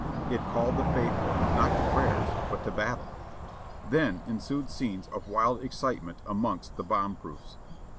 It called the faithful, not to prayers, but to battle. Then ensued scenes of wild excitement amongst the bombproofs.